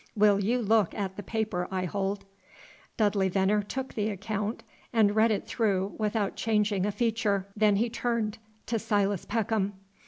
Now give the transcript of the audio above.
Will you look at the paper I hold?" Dudley Venner took the account and read it through, without changing a feature. Then he turned to Silas Peckham.